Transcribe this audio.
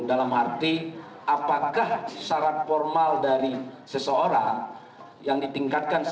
dalam arti apakah syarat formal dari seseorang yang ditingkatkan secara